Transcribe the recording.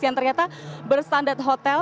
yang ternyata berstandard hotel